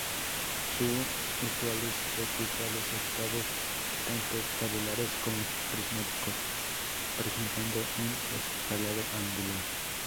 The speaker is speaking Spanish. Son usuales los cristales aislados, tanto tabulares como prismáticos, presentando un escalado angular.